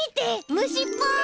むしっぽい！